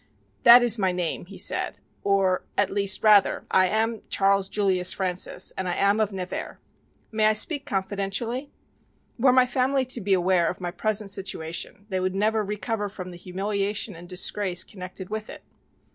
"That is my name," he said, "or at least rather, I am Charles Julius Francis, and I am of Nevers. May I speak confidentially? Were my family to be aware of my present situation they would never recover from the humiliation and disgrace connected with it."